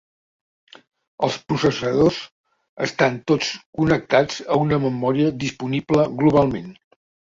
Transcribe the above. Els processadors estan tots connectats a una memòria disponible globalment.